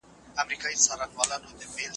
توليدي وسايلو د بيکارۍ کچه کمه کړې وه.